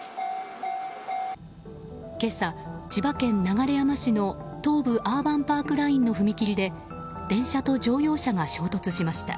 今朝、千葉県流山市の東武アーバンパークラインの踏切で電車と乗用車が衝突しました。